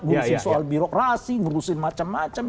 ngurusin soal birokrasi ngurusin macam macam